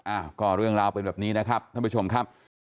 อ้าวก็เรื่องราวเป็นแบบนี้นะครับท่านผู้ชมครับ